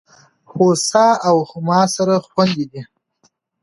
هوسا او هما سره خوندي دي.